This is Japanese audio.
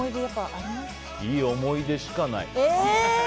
いい思い出しかない。